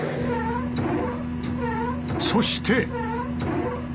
そして。